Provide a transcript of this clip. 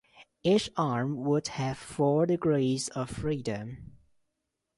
Each arm would have four degrees of freedom.